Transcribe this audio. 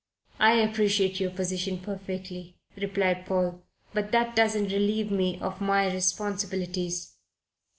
"I appreciate your position, perfectly," replied Paul, "but that doesn't relieve me of my responsibilities."